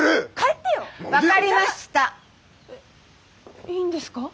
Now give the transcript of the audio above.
えっいいんですか？